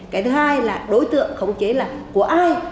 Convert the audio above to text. cái thứ hai là đối tượng khống chế là của ai